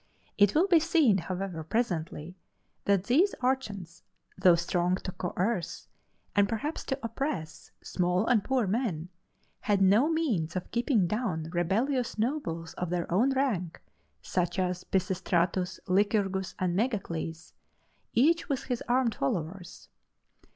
It will be seen, however, presently that these archons, though strong to coerce, and perhaps to oppress, small and poor men, had no means of keeping down rebellious nobles of their own rank, such as Pisistratus, Lycurgus, and Megacles, each with his armed followers.